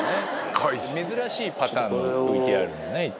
珍しいパターンのＶＴＲ。